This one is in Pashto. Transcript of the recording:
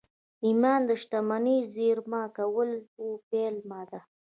ایمان د شتمنۍ د زېرمه کولو پیلامه ده